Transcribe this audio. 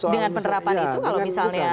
dengan penerapan itu kalau misalnya